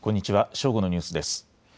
正午のニュースです。